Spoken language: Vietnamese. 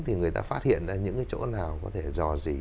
thì người ta phát hiện ra những cái chỗ nào có thể dò dỉ